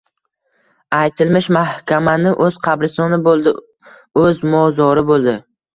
Aytilmish mahkamani o‘z qabristoni bo‘ldi. O’z mo-zori bo‘ldi.